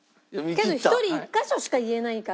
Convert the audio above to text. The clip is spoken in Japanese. けど１人１カ所しか言えないから。